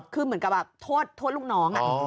คือเหมือนกับโทษลูกหนอง